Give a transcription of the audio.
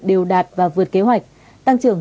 đều đạt và vượt kế hoạch tăng trưởng